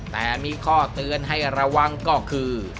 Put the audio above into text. แต่มีข้อเตือนให้ระวังก็คือ